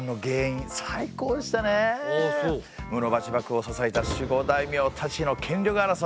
室町幕府を支えた守護大名たちの権力争い！